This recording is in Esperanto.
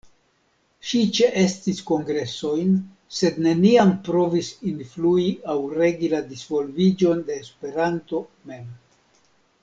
Ŝi ĉeestis kongresojn, sed neniam provis influi aŭ regi la disvolviĝon de Esperanto mem.